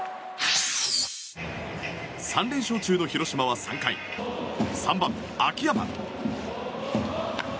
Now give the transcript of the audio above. ３連勝中の広島は３回３番、秋山。